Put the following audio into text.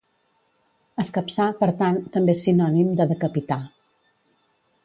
Escapçar, per tant, també és sinònim de "decapitar".